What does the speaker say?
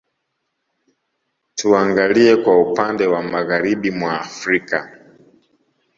Tuangalie kwa upande wa Magharibi mwa Afrika